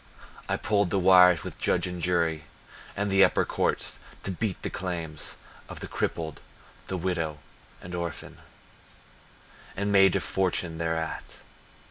I pulled the wires with judge and jury, And the upper courts, to beat the claims Of the crippled, the widow and orphan, And made a fortune thereat.